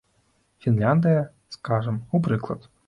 Фінляндыя, скажам, у прыклад.